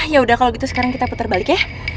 yaudah kalau gitu sekarang kita putar balik ya